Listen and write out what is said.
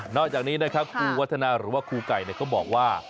อกจากนี้นะครับครูวัฒนาหรือว่าครูไก่ก็บอกว่า